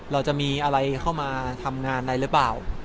เราจะมีอะไรเข้ามาทำงานอะไรหรือเปล่า